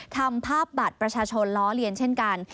ทำภาพบัตรประชาชนล้อเลียนเช่นกัน